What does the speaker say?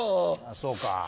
そうか。